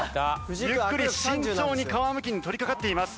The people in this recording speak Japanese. ゆっくり慎重に皮むきに取りかかっています。